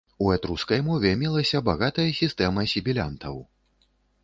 У этрускай мове мелася багатая сістэма сібілянтаў.